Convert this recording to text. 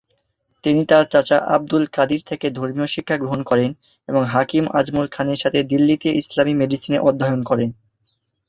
তিনি তার চাচা আবদুল কাদির থেকে ধর্মীয় শিক্ষা গ্রহণ করেন এবং হাকিম আজমল খানের সাথে দিল্লীতে ইসলামি মেডিসিনে অধ্যয়ন করেন।